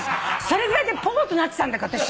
それぐらいでぽーっとなってたんだから私。